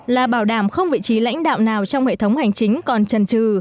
là bảo đảm không vị trí lãnh đạo nào trong hệ thống hành chính còn trần trừ